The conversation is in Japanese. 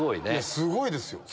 すごいですよ。